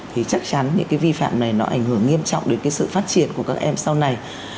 thì chắc chắn những cái vi phạm này nó ảnh hưởng nghiêm trọng đến cái sự phát triển của các em sau này